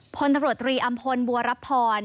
พลตำรวจตรีอำพลบัวรับพร